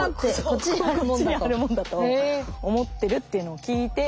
こっちに貼るもんだと思ってるっていうのを聞いて。